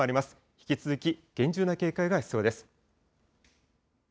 引き続き厳重な警戒が必要です。